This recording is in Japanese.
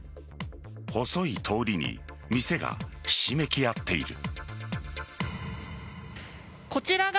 細い通りに店がひしめき合っている。